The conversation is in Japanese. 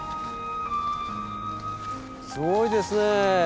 すごいですね